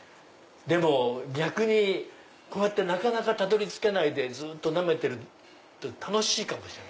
でも逆になかなかたどり着けないでずっとなめてると楽しいかも。